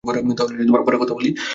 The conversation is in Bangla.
তাহলে পরে কথা বলি।